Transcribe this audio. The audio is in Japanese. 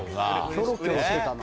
キョロキョロしてたな。